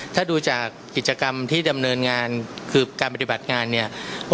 ถ้าดูจากกิจกรรมที่ดำเนินงานคือการปฏิบัติงานเนี่ย